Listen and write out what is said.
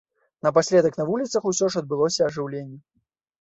Напаследак на вуліцах усё ж адбылося ажыўленне.